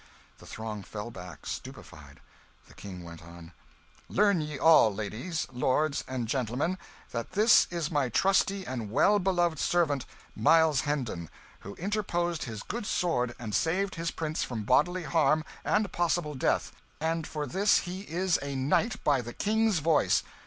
The throng fell back, stupefied. The King went on "Learn ye all, ladies, lords, and gentlemen, that this is my trusty and well beloved servant, Miles Hendon, who interposed his good sword and saved his prince from bodily harm and possible death and for this he is a knight, by the King's voice.